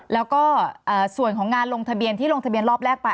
แล้วก็ส่วนของงานลงทะเบียนที่ลงทะเบียนรอบแรกไป